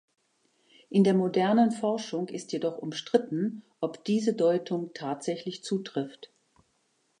In der modernen Forschung ist jedoch umstritten, ob diese Deutung tatsächlich zutrifft.